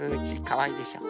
かわいいでしょ？